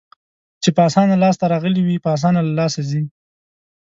چې په اسانه لاس ته راغلي وي، په اسانه له لاسه ځي.